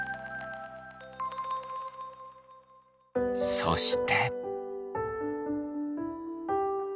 そして。